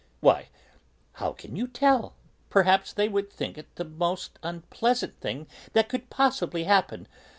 "Why? How can you tell? Perhaps they would think it the most unpleasant thing that could possibly happen.